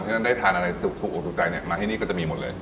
ฉะนั้นได้ทานอะไรถูกออกถูกใจเนี่ยมาที่นี่ก็จะมีหมดเลย